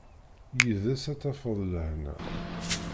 Yid-s ad tafeḍ lehna.